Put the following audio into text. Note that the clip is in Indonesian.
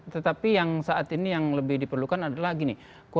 tetapi yang saat ini yang lebih diperlukan adalah gini